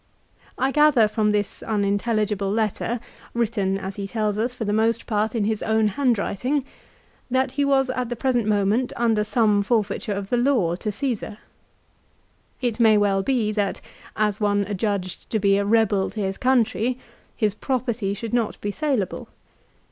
I gather from this unintelligible letter, written as he tells us for the most part in his own hand writing, that he was at the present moment under some forfeiture of the law to Caesar. It may well be that, as one adjudged to be a rebel to his country, his property should not be saleable.